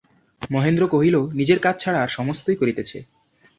মহেন্দ্র কহিল, নিজের কাজ ছাড়া আর-সমস্তই করিতেছে।